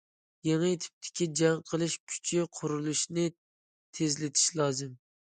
يېڭى تىپتىكى جەڭ قىلىش كۈچى قۇرۇلۇشىنى تېزلىتىش لازىم.